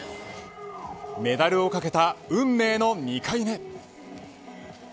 メダルをかけた運命の２回目。